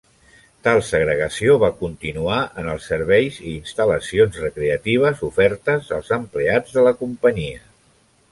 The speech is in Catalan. Tal segregació va continuar en els serveis i instal·lacions recreatives ofertes als empleats de la companyia.